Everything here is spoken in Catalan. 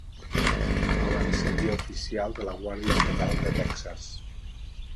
El van ascendir a oficial de la Guàrdia Estatal de Texas.